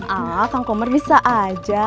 ah kang komar bisa aja